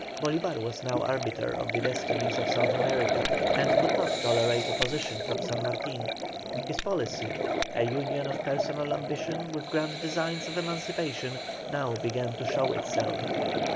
Bolívar was now arbiter of the destinies of South America, and could not tolerate opposition from San Martin. His policy, a union of personal ambition with grand designs of emancipation, now began to show itself.